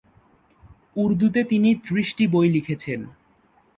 উর্দুতে তিনি ত্রিশটি বই লিখেছেন।